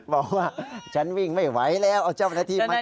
บอกว่าฉันวิ่งไม่ไหวแล้วเอาเจ้าหน้าที่มาช่วย